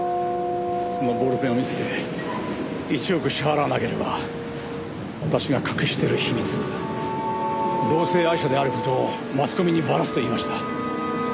そのボールペンを見せて１億支払わなければ私が隠している秘密同性愛者である事をマスコミにバラすと言いました。